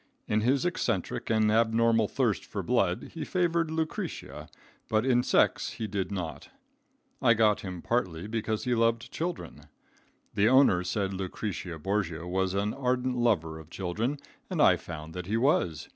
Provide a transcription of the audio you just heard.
In his eccentric and abnormal thirst for blood he favored Lucretia, but in sex he did not. I got him partly because he loved children. The owner said Lucretia Borgia was an ardent lover of children, and I found that he was.